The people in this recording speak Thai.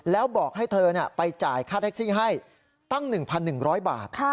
แล้วบอกให้เธอไปจ่ายค่าแท็กซี่ให้ตั้ง๑๑๐๐บาท